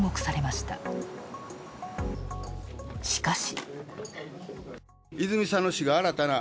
しかし。